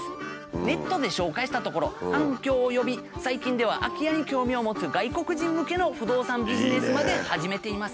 ネットで紹介したところ反響を呼び最近では空き家に興味を持つ外国人向けの不動産ビジネスまで始めています。